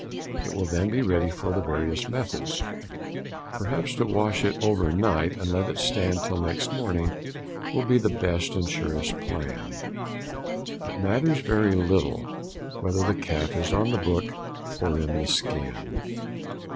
It will then be ready for the various methods. Perhaps to wash it over night and let it stand till next morning will |103| be the best and surest plan. It matters very little whether the calf is on the book or in the skin.